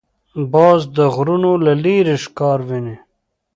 باز د غرونو له لیرې ښکار ویني